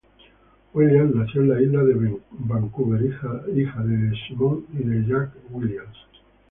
Williams nació en Isla de Vancouver, hija de Simone y Jack Williams.